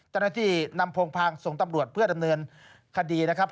เจ้าหน้าที่นำโพงพางส่งตำรวจเพื่อดำเนินคดีนะครับ